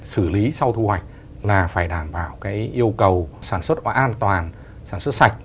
sử lý sau thu hoạch là phải đảm bảo cái yêu cầu sản xuất an toàn sản xuất sạch